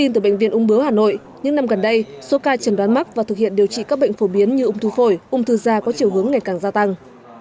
nhiều bệnh viện ung bướu hà nội có tình trạng chung là sống tại các khu vực phổ biến như ung thư phổi ung thư da có chiều hướng ngày càng gia tăng